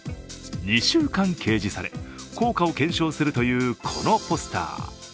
２週間掲示され、効果を検証するというこのポスター。